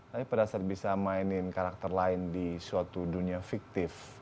tapi pada saat bisa mainin karakter lain di suatu dunia fiktif